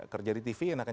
kerja di tv yang akan